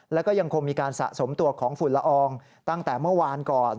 แล้วก็ยังคงมีการสะสมตัวของฝุ่นละอองตั้งแต่เมื่อวานก่อน